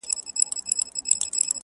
شتُرمرغ ویله زه ستاسي پاچا یم٫